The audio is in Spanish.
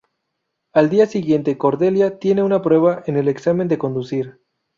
Al día siguiente Cordelia tiene una prueba en el examen de conducir.